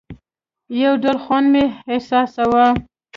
يو ډول خوند مې محسوساوه.